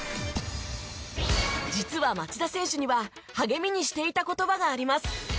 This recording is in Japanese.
実は町田選手には励みにしていた言葉があります。